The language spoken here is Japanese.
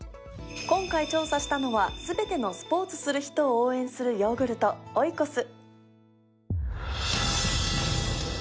今回調査したのはすべてのスポーツする人を応援するヨーグルト「オイコス」